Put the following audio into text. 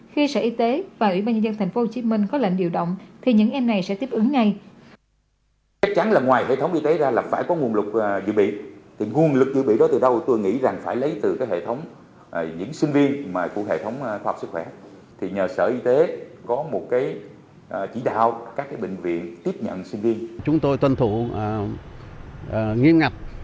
khi sở y tế và ubnd tp hcm có lệnh điều động thì những em này sẽ tiếp ứng ngay